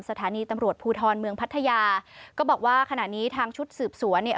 สถานีตำรวจภูทรเมืองพัทยาก็บอกว่าขณะนี้ทางชุดสืบสวนเนี่ย